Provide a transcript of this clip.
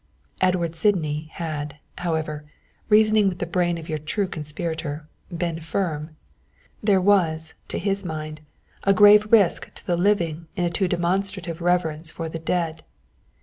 Edward Sydney had, however, reasoning with the brain of your true conspirator, been firm. There was, to his mind, a grave risk to the living in a too demonstrative reverence for the dead.